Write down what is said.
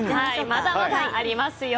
まだまだありますよ。